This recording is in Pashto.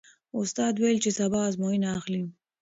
استاد وویل چې سبا ازموینه اخلي.